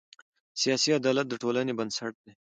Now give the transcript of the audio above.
سیاسي عدالت د ټولنې بنسټ دی